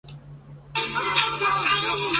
柳叶鬼针草是菊科鬼针草属的植物。